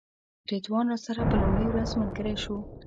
رضوان راسره په لومړۍ ورځ ملګری شو.